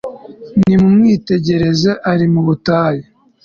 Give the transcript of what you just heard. Nimumwitegereze ari mu butayu